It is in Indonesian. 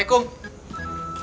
tidak ada apa apa